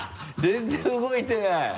全然動いてない。